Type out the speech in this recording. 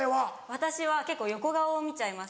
私は結構横顔を見ちゃいます。